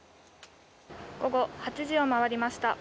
午後８時を回りました。